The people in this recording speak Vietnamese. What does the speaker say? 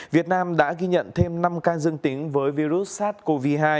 việt nam đã ghi nhận thêm năm ca dương tính với virus sars cov hai